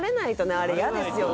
あれ嫌ですよね